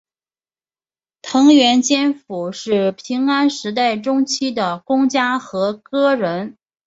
藤原兼辅是平安时代中期的公家和歌人。